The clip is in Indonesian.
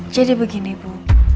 jadi begini bu